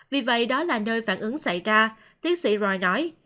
vì vậy đó là nơi phản ứng xảy ra tiến sĩ rồi nói